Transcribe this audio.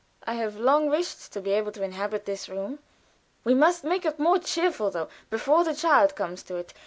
"I have long wished to be able to inhabit this room. We must make it more cheerful, though, before the child comes to it.